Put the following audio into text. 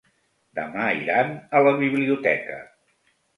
Demà iran a la biblioteca.